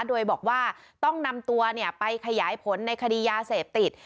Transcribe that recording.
โดยบอกว่าต้องนำตัวไปขยายผลในคดียาเสพติด